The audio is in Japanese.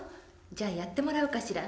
じゃあやってもらおうかしら。